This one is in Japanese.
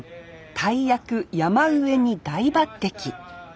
大役曳山上に大抜てき。